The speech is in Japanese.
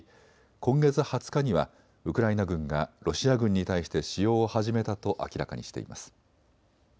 今月２０日にはウクライナ軍がロシア軍に対して使用を始めたと明らかにしています。